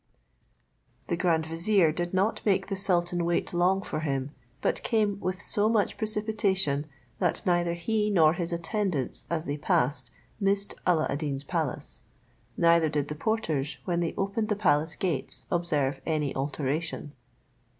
The grand vizier did not make the sultan wait long for him, but came with so much precipitation, that neither he nor his attendants, as they passed, missed Alla ad Deen's palace; neither did the porters, when they opened the palace gates observe any alteration.